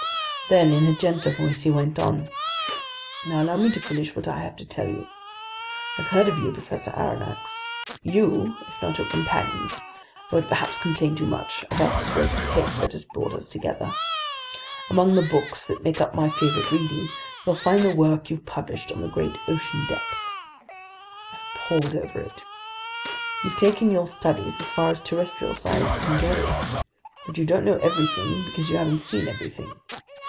Then, in a gentler voice, he went on: "Now, allow me to finish what I have to tell you. I've heard of you, Professor Aronnax. You, if not your companions, won't perhaps complain too much about the stroke of fate that has brought us together. Among the books that make up my favorite reading, you'll find the work you've published on the great ocean depths. I've pored over it. You've taken your studies as far as terrestrial science can go. But you don't know everything because you haven't seen everything.